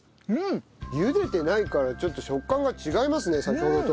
茹でてないからちょっと食感が違いますね先ほどと。